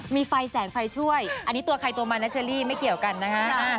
มีไฟแสงไฟช่วยอันนี้ตัวใครตัวมันนะเชอรี่ไม่เกี่ยวกันนะฮะ